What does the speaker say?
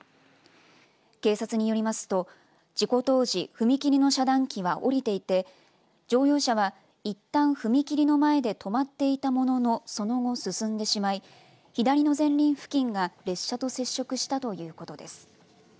警察によりますと事故当時、踏切の遮断機は下りていて乗用車はいったん踏切の前で止まっていたもののその後、進んでしまい左の前輪付近が列車と接触したということです。